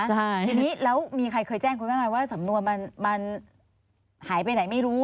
ทีนี้แล้วมีใครเคยแจ้งคุณแม่ไหมว่าสำนวนมันหายไปไหนไม่รู้